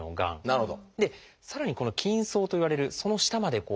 なるほど。